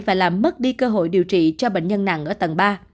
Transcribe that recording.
và làm mất đi cơ hội điều trị cho bệnh nhân nặng ở tầng ba